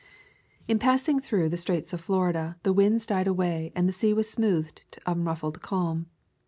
In passing through the Straits of Florida the winds died away and the sea was smoothed to unruffled calm.